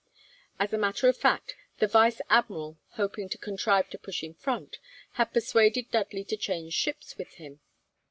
As a matter of fact, the Vice Admiral, hoping to contrive to push in front, had persuaded Dudley to change ships with him.